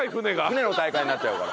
船の大会になっちゃうから。